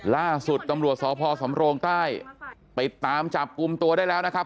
ล่าสุดตำรวจสพสำโรงใต้ติดตามจับกลุ่มตัวได้แล้วนะครับ